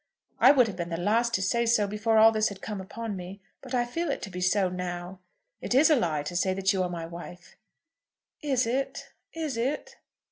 I would have been the last to say so before all this had come upon me, but I feel it to be so now. It is a lie to say that you are my wife." "Is it? Is it?"